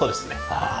ああ。